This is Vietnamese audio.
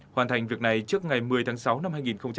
hoàn thành việc này trước ngày một mươi tháng sáu năm hai nghìn hai mươi